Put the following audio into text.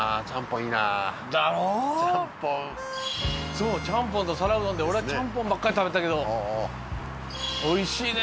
そうチャンポンと皿うどんで俺はチャンポンばっかり食べてたけどおいしいね